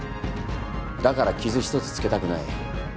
だから傷一つ付けたくない。